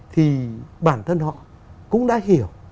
thì bản thân họ cũng đã hiểu